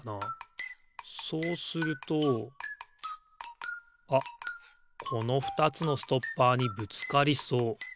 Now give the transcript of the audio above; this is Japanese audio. そうするとあっこのふたつのストッパーにぶつかりそう。